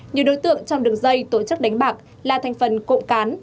nhiều đối tượng trong đường dây tổ chức đánh bạc là thành phần cộng cán